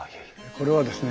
これはですね